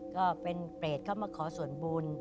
ก็เป็นเปรตเข้ามาขอส่วนบุญ